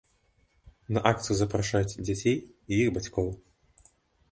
На акцыю запрашаюць дзяцей і іх бацькоў.